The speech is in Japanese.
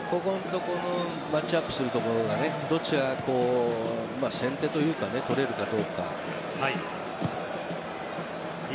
ここのマッチアップするところどっちが先手というか取れるかどうか。